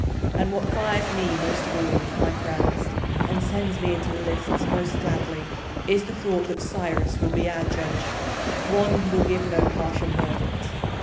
And what fires me most of all, my friends, and sends me into the lists most gladly, is the thought that Cyrus will be our judge: one who will give no partial verdict.